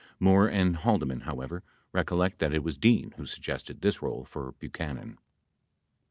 6 Moore and Haldeman, however, recollect that it was Dean who suggested this role for Buchanan.